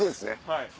はい。